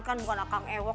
kan bukan akan ewa